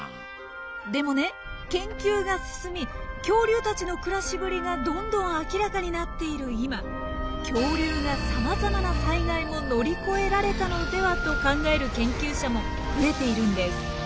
でもね研究が進み恐竜たちの暮らしぶりがどんどん明らかになっている今恐竜がさまざまな災害も乗り越えられたのではと考える研究者も増えているんです。